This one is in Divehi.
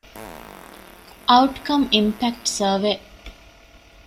އައުޓްކަމް އިމްޕެކްޓް ސަރވޭ